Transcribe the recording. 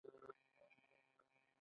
د امیر بند په بامیان کې دی